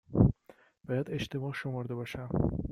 باید اشتباه شمرده باشم